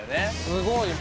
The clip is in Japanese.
すごい。